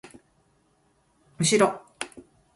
うしろ！